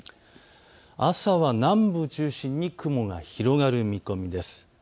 朝は南部を中心に雲が広がる見込みです。